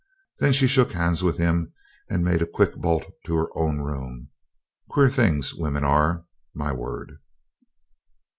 Then she shook hands with him, and made a quick bolt to her own room. Queer things women are, my word.